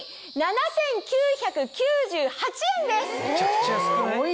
めちゃくちゃ安くない？